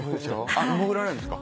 潜られるんですか？